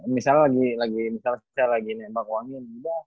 misalnya lagi misalnya si siar lagi nembak wangi gitu